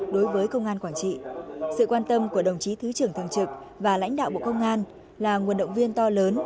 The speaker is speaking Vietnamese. đối với công an quảng trị sự quan tâm của đồng chí thứ trưởng thường trực và lãnh đạo bộ công an là nguồn động viên to lớn